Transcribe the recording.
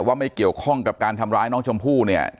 ว่าไม่เกี่ยวข้องกับการทำร้ายน้องชมพู่เนี่ย